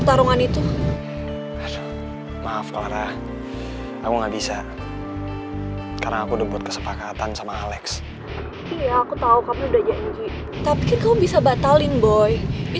dan ternyata remorage yang menang boy